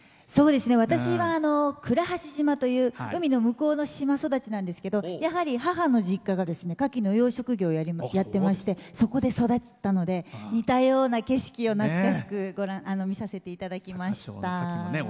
私は、倉橋島という海の向こうの島育ちなんですけどやはり母の実家がカキの養殖場をやってましてそこで育ったので似たような景色を懐かしく見させていただきました。